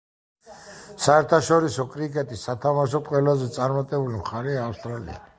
საერთაშორისო კრიკეტის სათამაშოდ ყველაზე წარმატებული მხარეა ავსტრალია.